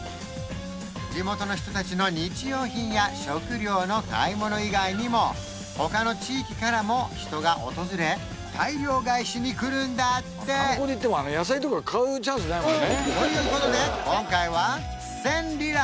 地元の人達の日用品や食料の買い物以外にも他の地域からも人が訪れ大量買いしに来るんだってということで今回は１０００リラ